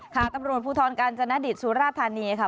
ค่ะตำรวจผู้ท้อนการณ์จนดิตสุรธานีค่ะ